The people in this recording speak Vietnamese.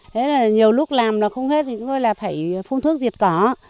thế là nhiều lúc làm nó không hết thì chúng tôi là phải phun thuốc diệt cỏ